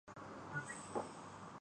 جب پاکستان معرض وجود میں آیا تھا۔